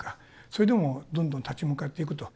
それでもどんどん立ち向かっていくと。